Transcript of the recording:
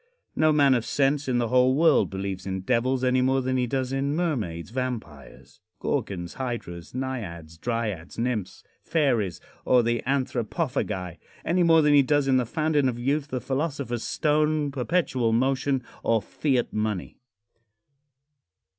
No man of sense in the whole world believes in devils any more than he does in mermaids, vampires, gorgons, hydras, naiads, dryads, nymphs, fairies or the anthropophagi any more than he does in the Fountain of Youth, the Philosopher's Stone, Perpetual Motion or Fiat Money.